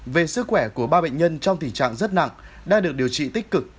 về sức khỏe của ba bệnh nhân trong tình trạng rất nặng đang được điều trị tích cực